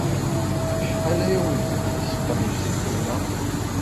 Acḥal ay awent-d-yesqam uselkim-a?